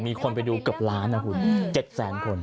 มีคนไปดูเกือบล้านนะคุณ๗แสนคน